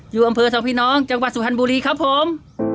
อยู่อำเภอสองพี่น้องจังหวัดสุพรรณบุรีครับผม